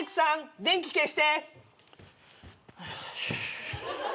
電気消して。